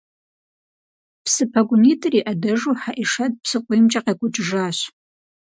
Псы пэгунитӏыр и ӏэдэжу Хьэӏишэт псыкъуиймкӏэ къекӏуэкӏыжащ.